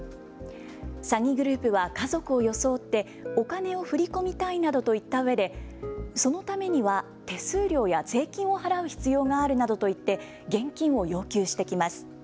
詐欺グループは家族を装ってお金を振り込みたいなどと言ったうえでそのためには手数料や税金を払う必要があるなどと言って現金を要求してきます。